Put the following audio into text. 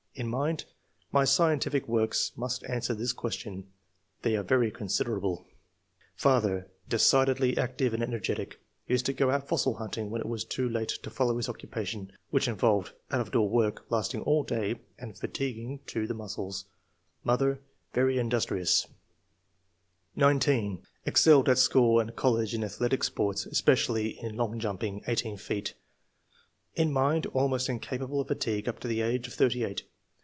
In mind — My scientific works must answer this question [they are very considerable]. " Father — ^Decidedly active and energetic ; used to go out fossil hunting when it was too late to follow his occupation [which involved II.] QUALITIES. 87 out of door work, lasting all day and fatiguing to the muscles]. Mother — Very industrious/' 19. —" Excelled at school and college in athletic sports, especially in long jumping (18 feet). In mind — ^Almost incapable of fatigue up to the age of thirty eight.